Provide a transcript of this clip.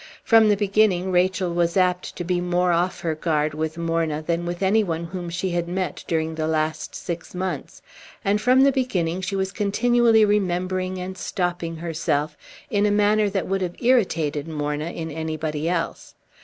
From the beginning, Rachel was apt to be more off her guard with Morna than with any one whom she had met during the last six months; and, from the beginning, she was continually remembering and stopping herself in a manner that would have irritated Morna in anybody else.